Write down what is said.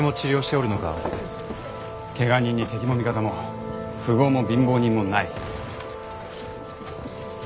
怪我人に敵も味方も富豪も貧乏人もない。